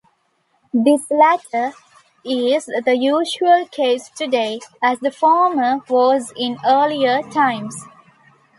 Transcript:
The latter is the usual case today, as the former was in earlier times.